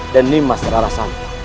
dan nimas rarasan